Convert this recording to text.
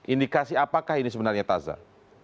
indikasi apakah ini sebenarnya taza